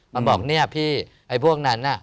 มาบอกเนี่ยพี่ไอ้พวกนั้นน่ะ